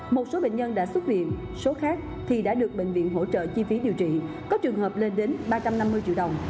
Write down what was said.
một số bệnh nhân đã xuất viện số khác thì đã được bệnh viện hỗ trợ chi phí điều trị có trường hợp lên đến ba trăm năm mươi triệu đồng